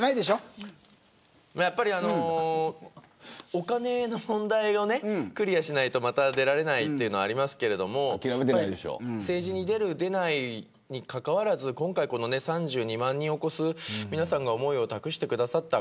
お金の問題をクリアしないとまた出られないというのはありますけど政治に出る出ないにかかわらず今回３２万人を超す皆さんが思いを託してくださった。